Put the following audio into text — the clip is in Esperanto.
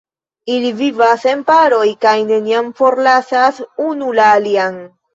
Ili vivas en paroj kaj neniam forlasas unu la alian.